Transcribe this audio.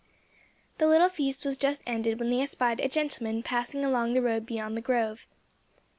The little feast was just ended when they espied a gentleman passing along the road beyond the grove.